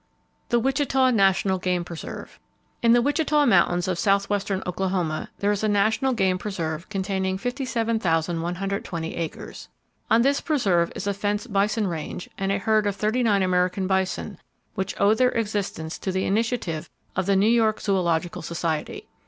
The Wichita National Game Preserve. —In the Wichita Mountains, of southwestern Oklahoma, there is a National game preserve containing 57,120 acres. On this preserve is a fenced bison range and a herd of thirty nine American bison which owe their existence to the initiative of the New York Zoological Society.